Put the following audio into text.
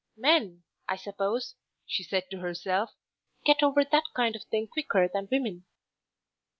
"Men, I suppose," she said to herself, "get over that kind of thing quicker than women."